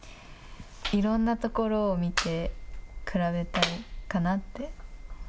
いろんなところを見て比べたいかなって。